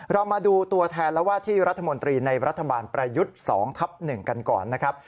เรามาดูตัวแทนและว่าที่รัฐมนตรีในรัฐบาลประยุทธ์๒ทับ๑กันก่อนนะครับ